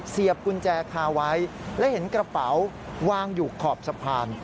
เสียบกุญแจคาไว้และเห็นกระเป๋าวางอยู่ขอบสะพาน